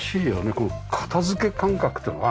この片付け感覚っていうのかな。